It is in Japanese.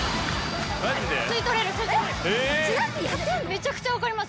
めちゃくちゃ分かります。